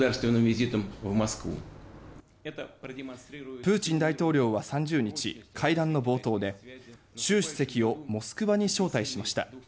プーチン大統領は３０日会談の冒頭で習主席をモスクワに招待しました。